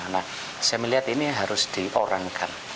nah saya melihat ini harus diorangkan